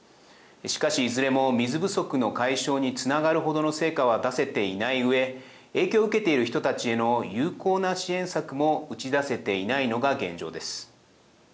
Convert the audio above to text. しかし、いずれも水不足の解消につながるほどの成果は出せていないうえ影響を受けている人たちへの有効な支援策も打ち出せていないのが現状です。